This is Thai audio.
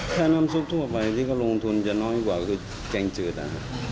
แค่น้ำซุปทั่วไปที่เค้ารุงทุนจะน้อยกว่าคือแก่งจืดนะ